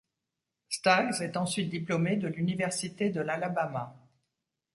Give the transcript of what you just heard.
Staggs est ensuite diplômé de l'Université de l'Alabama.